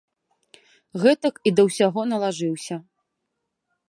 Гэтак і да ўсяго налажыўся.